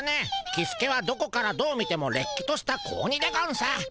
キスケはどこからどう見てもれっきとした子鬼でゴンス。